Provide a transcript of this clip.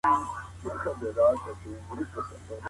د ځوانانو روزنه د راتلونکې لپاره ګټوره ده.